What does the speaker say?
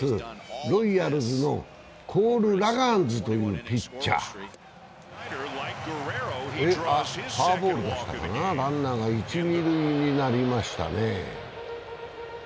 ロイヤルズのコール・ラガンズというピッチャー、フォアボールでしたかな、ランナーが一・二塁になりましたね。